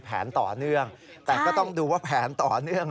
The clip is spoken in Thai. ต่อเนื่องแต่ก็ต้องดูว่าแผนต่อเนื่อง